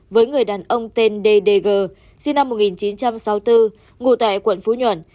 với người đàn ông tên d d g sinh năm một nghìn chín trăm sáu mươi bốn ngủ tại quận phú nhuận